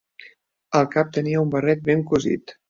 Al cap tenia un barret ben cosit.